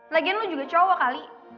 lagian lo juga cowok kali